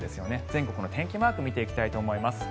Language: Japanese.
全国の天気マークを見ていきたいと思います。